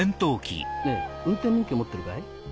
ねぇ運転免許持ってるかい？